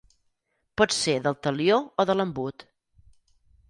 Pot ser del talió o de l'embut.